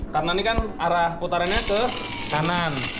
karena ini kan arah putarannya ke kanan